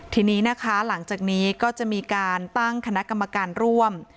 ทีนี้นะคะหลังจากนี้ก็จะมีการตั้งคณะกรรมการร่วม